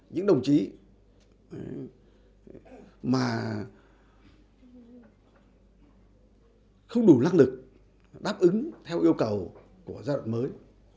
những đồng chí mà không đủ năng lực đáp ứng theo yêu cầu của giai đoạn mới